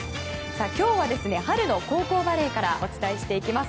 今日は、春の高校バレーからお伝えしていきます。